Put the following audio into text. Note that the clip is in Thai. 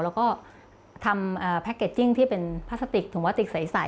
แล้วก็ทำแพ็คเกจจิ้งที่เป็นพลาสติกถุงพลาสติกใส